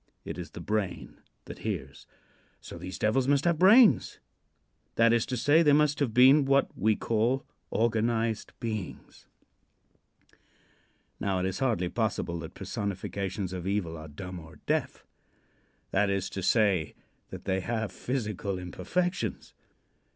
It is the brain that hears. So these devils must have brains; that is to say, they must have been what we call "organized beings." Now, it is hardly possible that personifications of evil are dumb or deaf. That is to say, that they have physical imperfections.